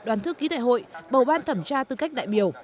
đoàn thư ký đại hội bầu ban thẩm tra tư cách đại biểu